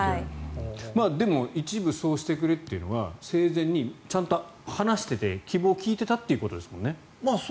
でも一部そうしてくれっていうのは生前にちゃんと話していて希望を聞いていたということですもんね。